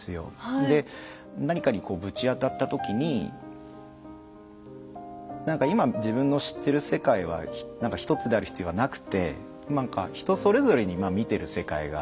で何かにこうぶち当たった時になんか今自分の知ってる世界はなんか一つである必要はなくてなんか人それぞれに見てる世界がある。